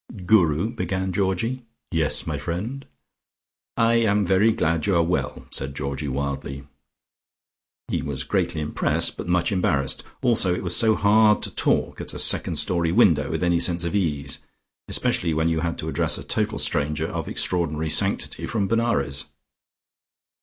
'" "Guru, " began Georgie. "Yes, my friend." "I am very glad you are well," said Georgie wildly. He was greatly impressed, but much embarrassed. Also it was so hard to talk at a second story window with any sense of ease, especially when you had to address a total stranger of extraordinary sanctity from Benares.